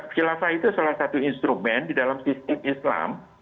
khilafah itu salah satu instrumen di dalam sistem islam